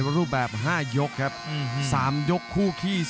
รับทราบบรรดาศักดิ์